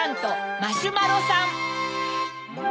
マシュマロさん！